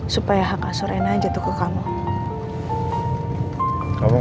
supaya hak aso rena jatuh ke rumahnya